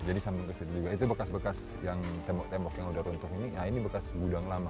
jadi sambil ke sini juga itu bekas bekas yang tembok tembok yang udah runtuh ini nah ini bekas gudang lama